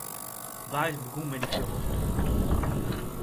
Wa is begûn mei dy fjochterij?